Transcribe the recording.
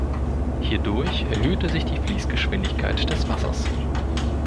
Hierdurch erhöhte sich die Fließgeschwindigkeit des Wassers.